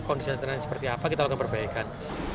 kondisi tanahnya seperti apa kita akan perbaikan